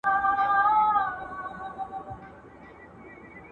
ژوند باید په منظم ډول تیر سي